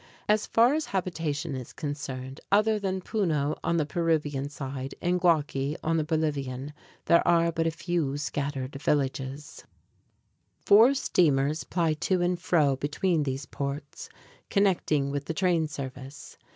As far as habitation is concerned, other than Puno on the Peruvian side and Guaqui on the Bolivian, there are but a few scattered villages. [Illustration: OPEN AIR SCHOOL GUAQUI, BOLIVIA] Four steamers ply to and fro between these ports, connecting with the train service.